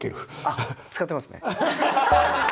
あっ使ってますね。